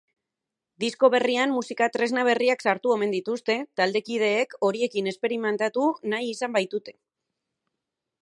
Disko berrian musika-tresna berriak sartu omen dituzte, taldekideekhoriekin esperimentatu nahi izan baitute.